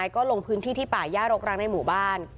ก็ลงพื้นที่ที่ป่าย่ารกรักในหมู่บ้าน